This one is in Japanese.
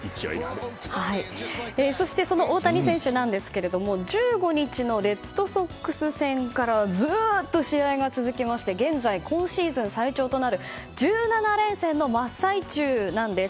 そして、その大谷選手ですが１５日のレッドソックス戦からずっと試合が続きまして現在、今シーズン最長となる１７連戦の真っ最中なんです。